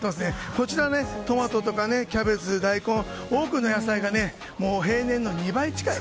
こちらトマトとかキャベツ、大根など多くの野菜が平年の２倍近い。